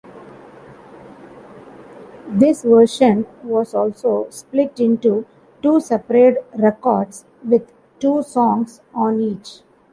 This version was also split into two separate records, with two songs on each.